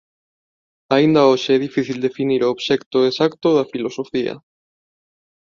Aínda hoxe é difícil definir o obxecto exacto da filosofía.